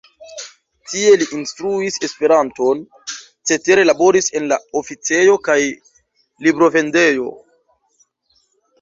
Tie li instruis Esperanton, cetere laboris en la oficejo kaj librovendejo.